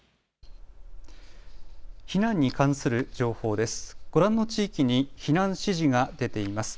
避難に関する情報です。